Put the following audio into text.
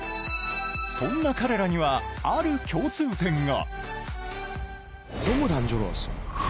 そんな彼らにはある共通点が。